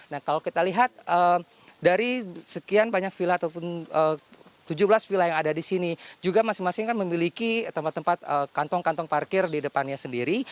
nah kalau kita lihat dari sekian banyak villa ataupun tujuh belas villa yang ada di sini juga masing masing kan memiliki tempat tempat kantong kantong parkir di depannya sendiri